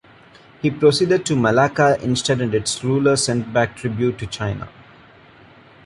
He proceeded to Malacca instead and its ruler sent back tribute to China.